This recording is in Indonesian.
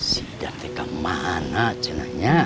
si idan kemana